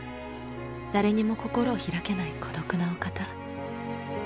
誰にも心を開けない孤独なお方。